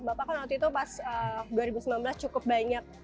bapak kan waktu itu pas dua ribu sembilan belas cukup banyak